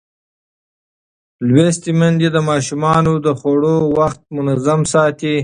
لوستې میندې د ماشومانو د خوړو وخت منظم ساتي.